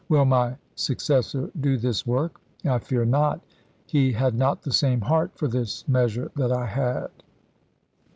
Will my successor do this work ? I fear saiionV not. He had not the same heart for this measure p. 622. that I had."